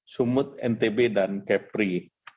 sumut ntb dan kepri